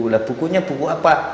nah bukunya buku apa